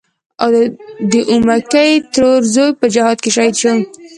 د اومکۍ ترور زوی په جهاد کې شهید و.